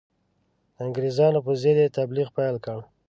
د انګرېزانو پر ضد یې تبلیغ پیل کړ.